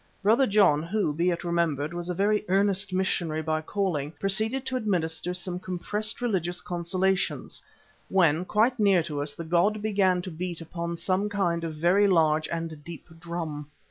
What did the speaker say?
Brother John, who, be it remembered, was a very earnest missionary by calling, proceeded to administer some compressed religious consolations, when, quite near to us, the god began to beat upon some kind of very large and deep drum.